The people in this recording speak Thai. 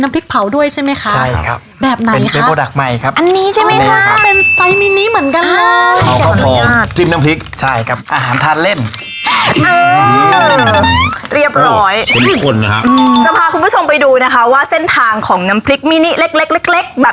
น้ำพริกแม่งดาน้ำพริกนรกกุ้งน้ำพริกเผา